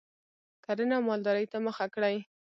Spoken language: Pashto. کرنې او مالدارۍ ته مخه کړي